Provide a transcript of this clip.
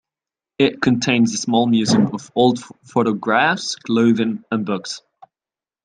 It contains a small museum of old photographs, clothing, and books.